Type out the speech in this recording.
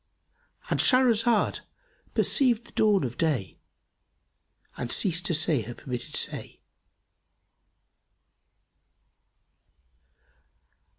——And Shahrazad perceived the dawn of day and ceased to say her permitted say.